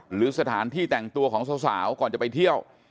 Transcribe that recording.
หรือสถานที่แต่งตัวของสาวก่อนจะไปเที่ยว